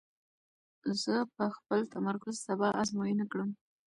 زه به خپل تمرکز سبا ازموینه کړم.